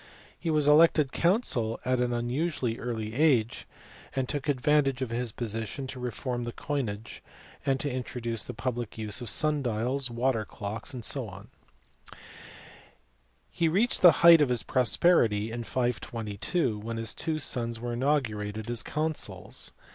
He was elected consul at an unusually early age, and took advantage of his position to reform the coinage and to introduce the public use of sun dials, water clocks, &c. He reached the height of his prosperity in 522 when his two sons were inaugurated as consuls.